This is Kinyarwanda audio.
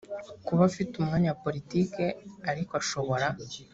kuba afite umwanya wa politiki ariko ashobora